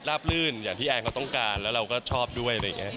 ลื่นอย่างที่แอนเขาต้องการแล้วเราก็ชอบด้วยอะไรอย่างนี้